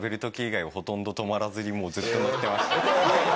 もうずっと乗ってました。